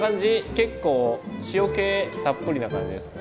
結構塩けたっぷりな感じですか？